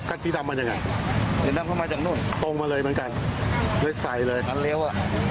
ค่อนข้างเร็ว